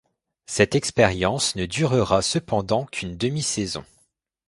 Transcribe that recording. Cette expérience ne durera cependant qu'une demi-saison.